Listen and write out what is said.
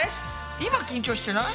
今緊張してない？